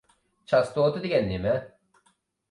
چاستوتا دېگەن نېمە؟